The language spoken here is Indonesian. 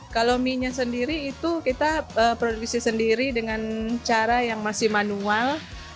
kalau mie nya sendiri itu kita produksi sendiri dengan cara yang masih manual